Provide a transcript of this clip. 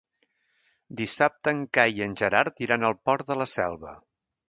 Dissabte en Cai i en Gerard iran al Port de la Selva.